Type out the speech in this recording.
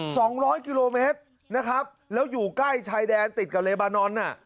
สองร้อยกิโลเมตรนะครับแล้วอยู่ใกล้ชายแดนติดกับเลบานอนน่ะ